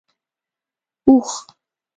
🐪 اوښ